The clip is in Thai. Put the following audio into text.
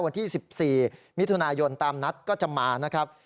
วันที่๑๔มิถุนายนตามนัดก็จะมานะครับ